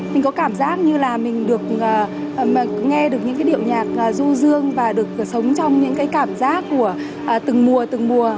mình có cảm giác như là mình được nghe được những cái điệu nhạc ru rương và được sống trong những cái cảm giác của từng mùa từng mùa